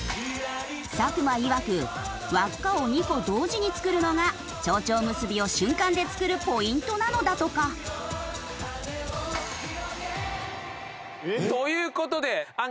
作間いわく輪っかを２個同時に作るのが蝶々結びを瞬間で作るポイントなのだとか。という事で暗記テーマは。